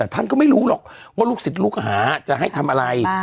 ท่านก็ไม่รู้หรอกว่าลูกศิษย์ลูกหาจะให้ทำอะไร